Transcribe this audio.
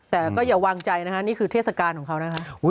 แต่ก็อย่าวางใจนะคะนี่คือเทศกาลของเขานะคะ